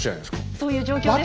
そういう状況ですね？